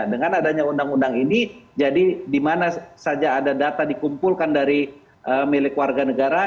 dengan adanya undang undang ini jadi di mana saja ada data dikumpulkan dari milik warga negara